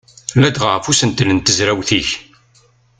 Ladɣa ɣef usentel n tezrawt-ik.